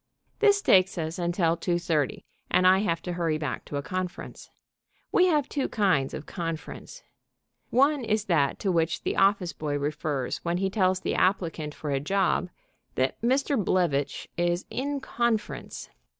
This takes us until two thirty, and I have to hurry back to a conference. We have two kinds of "conference." One is that to which the office boy refers when he tells the applicant for a job that Mr. Blevitch is "in conference."